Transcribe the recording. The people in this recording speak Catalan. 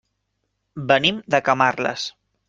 Venim de Camarles.